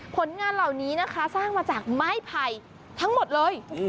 ผลงานเหล่านี้นะคะสร้างมาจากไม้ไผ่ทั้งหมดเลย